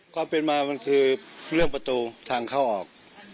ความเป็นมามันคือเรื่องประตูทางเข้าออก